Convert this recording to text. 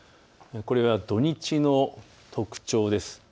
これは土日の特徴です。